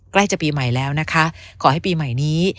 ใกล้จะปีใหม่แล้วนะคะขอให้ปีใหม่นี้